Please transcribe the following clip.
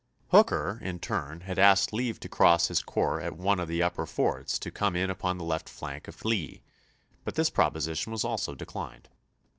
Hooker in turn had asked leave to cross his corps at one of the upper fords to come in upon the left flank of Lee, but this proposition was also declined.